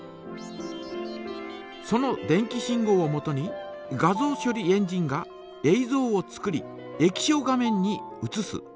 その電気信号をもとに画像処理エンジンがえいぞうを作り液晶画面にうつす。